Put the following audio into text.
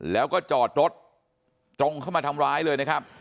แล้วก็จอดรถตรงเข้ามาทำร้ายเลยนะครับ